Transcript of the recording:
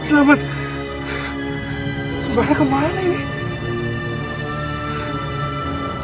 sebenarnya kemana ini